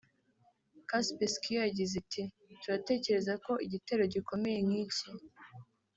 Kaspersky yo yagize iti “Turatekereza ko igitero gikomeye nk’iki